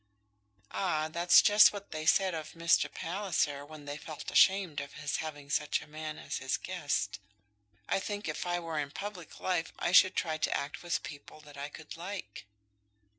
"Ah, that's just what they said of Mr. Palliser when they felt ashamed of his having such a man as his guest. I think if I were in public life I should try to act with people that I could like."